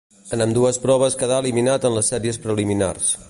En ambdues proves quedà eliminat en les sèries preliminars.